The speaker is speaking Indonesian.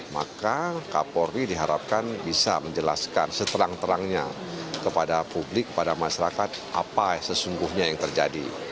maka kapolri diharapkan bisa menjelaskan seterang terangnya kepada publik kepada masyarakat apa sesungguhnya yang terjadi